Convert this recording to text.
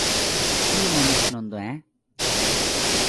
কী মানুষ নন্দ, অ্যাঁ?